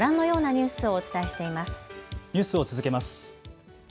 ニュースを続けます。